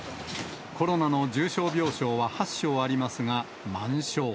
ころなの重症病床は８床ありますが、満床。